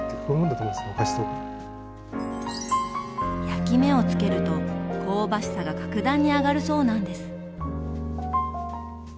焼き目を付けると香ばしさが格段に上がるそうなんです！